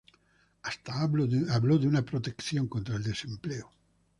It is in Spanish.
Hasta habló de protección contra el desempleo.